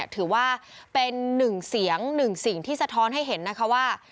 ถือว่าเป็นหนึ่งเสียงหนึ่งสิ่งที่สะท้อนให้เห็นนะคะว่า